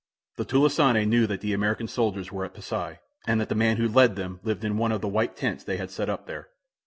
The "tulisane" knew that the American soldiers were at Pasi; and that the man who led them lived in one of the white tents they had set up there.